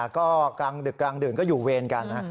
ก็กลางดึกกลางดื่นก็อยู่เวรกัน